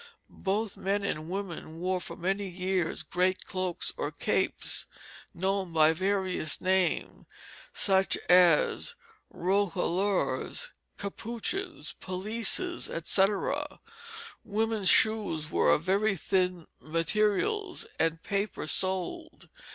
Both men and women wore for many years great cloaks or capes, known by various names, such as roquelaures, capuchins, pelisses, etc. Women's shoes were of very thin materials, and paper soled.